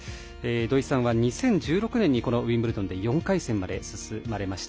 土居さんは２０１６年にこのウィンブルドンで４回戦まで進まれました。